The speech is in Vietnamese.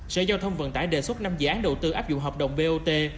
sở giao thông vận tải đề xuất năm dự án đầu tư áp dụng hợp đồng bot